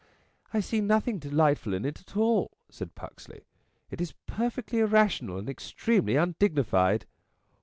" I see nothing delightful in it at all," said Puxley. " It is perfectly irrational and extremely undignified."